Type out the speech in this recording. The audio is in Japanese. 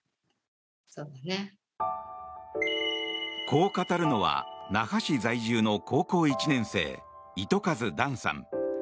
こう語るのは那覇市在住の高校１年生、糸数旦さん。